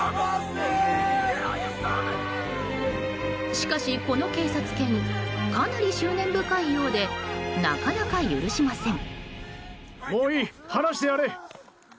しかし、この警察犬かなり執念深いようでなかなか許しません。